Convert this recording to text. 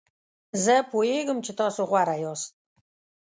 زه پوهیږم چې تاسو غوره یاست.